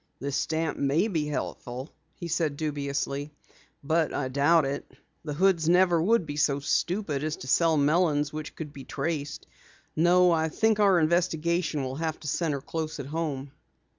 "This stamp may be helpful," he said dubiously, "but I doubt it. The Hoods never would be so stupid as to sell melons which could be traced. No, I think our investigation will have to center close at home."